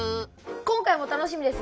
今回も楽しみです。